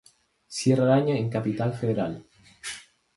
Cierra el año en Capital Federal.